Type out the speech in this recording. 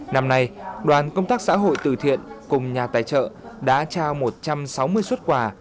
năm nay đoàn công tác xã hội từ thiện cùng nhà tài trợ đã trao một trăm sáu mươi xuất quà